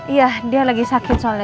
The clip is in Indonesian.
iya dia lagi sakit soalnya